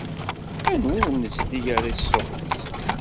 Anwa ur nesli ara i ṣṣut-is?